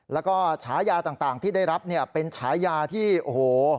แล้วก็ฉายาต่างที่ได้รับเนี่ยเป็นฉายาที่โอ้โห